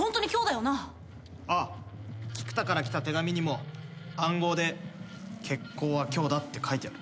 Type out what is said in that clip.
ああ菊田から来た手紙にも暗号で「決行は今日だ」って書いてある。